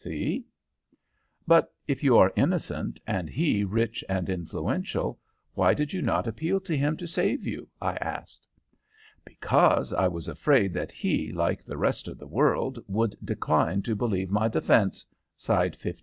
See?" "But if you are innocent and he rich and influential, why did you not appeal to him to save you?" I asked. "Because I was afraid that he, like the rest of the world, would decline to believe my defence," sighed 5010.